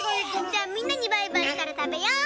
じゃあみんなにバイバイしたらたべよう。